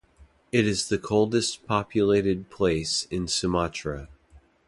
It is the coldest populated place in Sumatra.